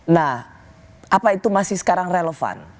nah apa itu masih sekarang relevan